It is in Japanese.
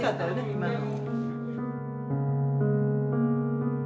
今の。